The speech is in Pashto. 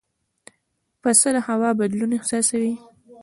پسه د هوا بدلون احساسوي.